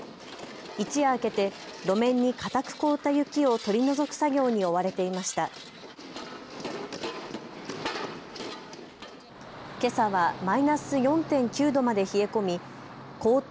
一夜明けて路面に固く凍った雪を取り除く作業に追われていました。